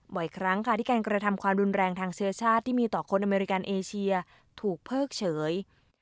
บ่อยครั้งค่ะที่การกระทำความรุนแรงทางเชื้อชาติที่มีต่อคนอเมริกันเอเชียถูกเพิกเฉย